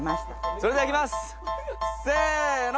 それではいきますせの！